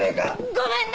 ごめんね！